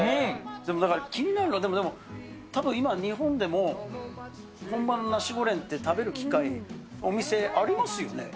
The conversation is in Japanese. でもだから、気になるのは、たぶん今、日本でも、本場のナシゴレンって食べる機会、お店ありますよね？